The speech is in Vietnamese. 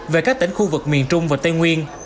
về các tỉnh khu vực miền trung và tây nguyên